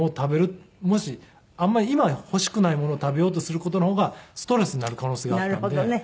あんまり今は欲しくないものを食べようとする事の方がストレスになる可能性があったんで。